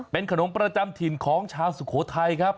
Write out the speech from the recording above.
เป็นขนมประจำถิ่นของชาวสุโขทัยครับ